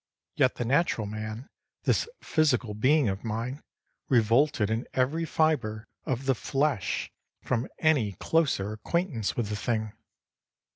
Yet the natural man, this physical being of mine, revolted in every fibre of the flesh from any closer acquaintance with the thing.